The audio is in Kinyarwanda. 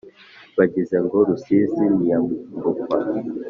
bagize ngo Rusizi ntiyambukwa